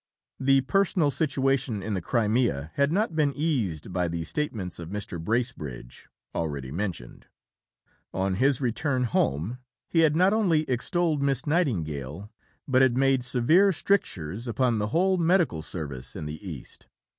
The personal situation in the Crimea had not been eased by the statements of Mr. Bracebridge, already mentioned (p. 213). On his return home, he had not only extolled Miss Nightingale, but had made severe strictures upon the whole medical service in the East.